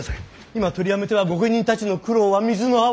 今取りやめては御家人たちの苦労は水の泡。